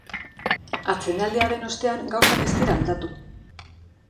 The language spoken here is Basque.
Atsedenaldiaren ostean, gauzak ez dira aldatu.